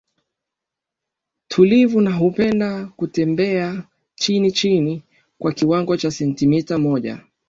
tulivu na hupenda kutembea chini chini kwa kiwango Cha sentimita moja